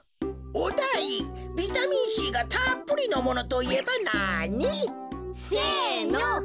おだいビタミンＣがたっぷりのものといえばなに？せの！